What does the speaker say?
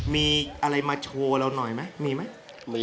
มีอะไรมาโชว์เราหน่อยไหมมีไหม